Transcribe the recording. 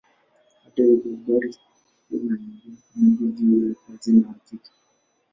Hata hivyo habari hiyo na nyingine nyingi juu yake hazina hakika.